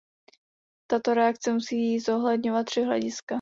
Tato reakce musí zohledňovat tři hlediska.